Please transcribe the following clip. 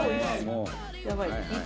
やばい。